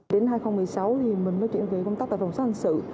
đến hai nghìn một mươi sáu thì mình mới chuyển về công tác tại phòng xác hành sự